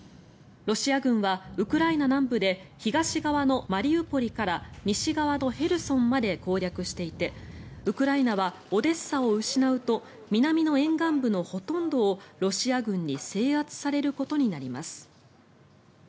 ロシア軍はウクライナ南部から東側のマリウポリから西側のヘルソンまで攻略していてウクライナはオデッサを失うと南の沿岸部のほとんどをロシア軍に制圧されることになります。